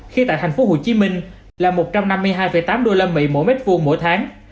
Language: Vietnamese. khi tại thành phố hồ chí minh là một trăm năm mươi hai tám usd mỗi mét vuông mỗi tháng